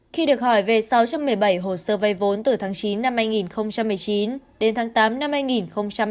khi được hỏi về sáu trăm một mươi bảy hồ sơ vay vốn từ tháng chín năm hai nghìn một mươi chín đến tháng tám năm hai nghìn hai mươi